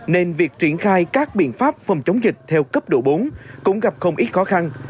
nên việc triển khai các biện pháp phòng chống dịch theo cấp độ bốn cũng gặp không ít khó khăn